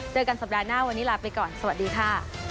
เจอกันสัปดาห์หน้าวันนี้ลาไปก่อนสวัสดีค่ะ